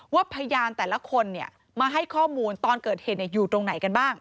พยานแต่ละคนมาให้ข้อมูลตอนเกิดเหตุอยู่ตรงไหนกันบ้าง